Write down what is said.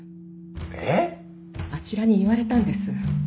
えっ⁉あちらに言われたんです。